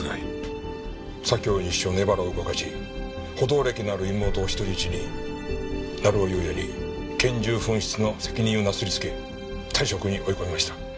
左京西署の江原を動かし補導歴のある妹を人質に成尾優也に拳銃紛失の責任をなすりつけ退職に追い込みました。